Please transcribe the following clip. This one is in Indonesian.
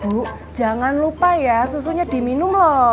bu jangan lupa ya susunya diminum loh